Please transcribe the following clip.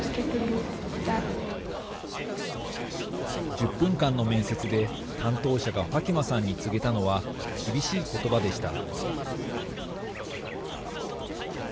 １０分間の面接で、担当者がファティマさんに告げたのは厳しい言葉でした。